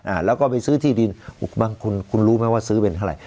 อ่าแล้วก็ไปซื้อที่ดินบางคุณคุณรู้ไหมว่าซื้อเป็นเท่าไห